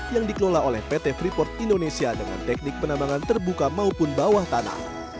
yang dikelola oleh pt freeport indonesia dengan teknik penambangan terbuka maupun bawah tanah